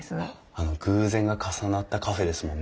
あの偶然が重なったカフェですもんね。